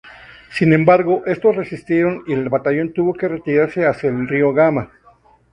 Sin embargo estos resistieron y el Batallón tuvo que retirarse hacia el río Gama.